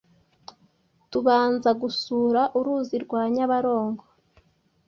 tubanza gusura uruzi rwa Nyabarongo,